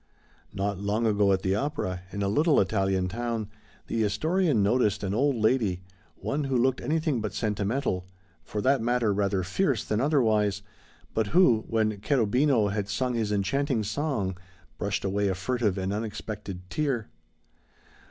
Not long ago at the opera, in a little Italian town, the historian noticed an old lady, one who looked anything but sentimental, for that matter rather fierce than otherwise, but who, when Cherubino had sung his enchanting song, brushed away a furtive and unexpected tear.